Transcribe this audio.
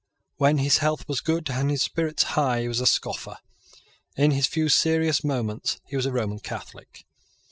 When his health was good and his spirits high he was a scoffer. In his few serious moments he was a Roman Catholic.